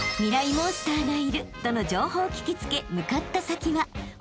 モンスターがいるとの情報を聞き付け向かった先は］